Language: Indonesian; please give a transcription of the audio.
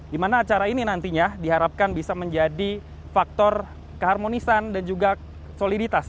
dimana acara ini nantinya diharapkan bisa menjadi faktor keharmonisan dan juga soliditas